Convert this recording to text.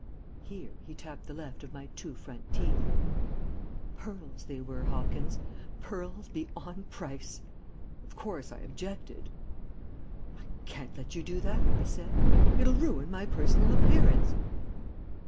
"Here he tapped the left of my two front teeth pearls they were, Hopkins, pearls beyond price. Of course I objected. "'I can't let you do that,' I said, 'it'll ruin my personal appearance.'